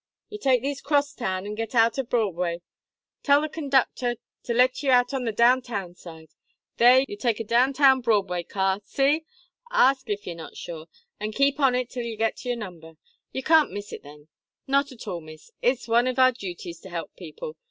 Ye take this crosstown, and get out at Broadway tell the conducther to let ye out on the downtown side. There ye'll take a downtown Broadway car see? Ask, if ye're not sure an' keep on it till ye get to your number. You can't miss it thin. Not at all, miss; it's wan of our juties to help people.